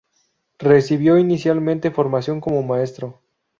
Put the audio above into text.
Recibió inicialmente formación como maestro.